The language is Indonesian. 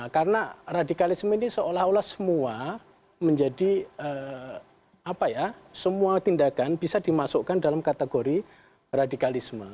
karena radikalisme ini seolah olah semua menjadi apa ya semua tindakan bisa dimasukkan dalam kategori radikalisme